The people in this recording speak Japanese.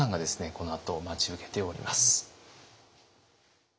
このあと待ち受けております。